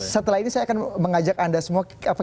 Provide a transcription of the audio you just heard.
setelah ini saya akan mengajak anda semua